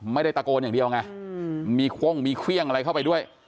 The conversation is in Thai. ไม่ได้ตะโกนอย่างเดียวไงมีเครื่องมีเครื่องอะไรเข้าไปด้วย